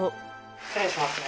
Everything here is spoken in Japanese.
失礼しますね。